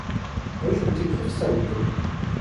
ew jî bi Tirkî qisan dikin.